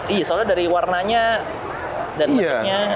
iya soalnya dari warnanya dan bentuknya